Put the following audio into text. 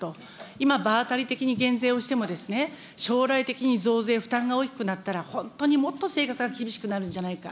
今、場当たり的に減税をしても、将来的に増税負担が大きくなったら、本当にもっと生活が厳しくなるんじゃないか。